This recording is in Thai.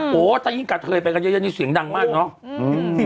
โหถ้ายิ่งกระเทยไปกันเยอะนี่เสียงดังมากเนอะ